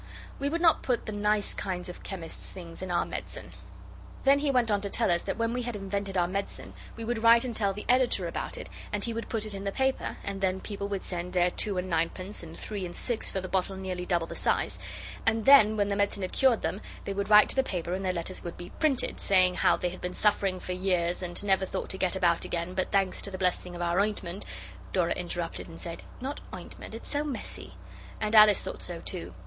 We would not put the nice kinds of chemist's things in our medicine.' Then he went on to tell us that when we had invented our medicine we would write and tell the editor about it, and he would put it in the paper, and then people would send their two and ninepence and three and six for the bottle nearly double the size, and then when the medicine had cured them they would write to the paper and their letters would be printed, saying how they had been suffering for years, and never thought to get about again, but thanks to the blessing of our ointment ' Dora interrupted and said, 'Not ointment it's so messy.' And Alice thought so too.